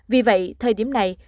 vì vậy thời điểm này